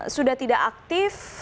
sudah tidak aktif